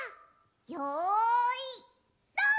よいどん！